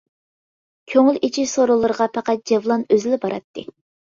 كۆڭۈل ئېچىش سورۇنلىرىغا پەقەت جەۋلان ئۆزىلا باراتتى.